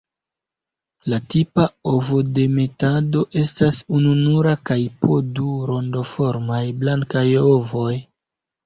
La tipa ovodemetado estas ununura kaj po du rondoformaj blankaj ovoj.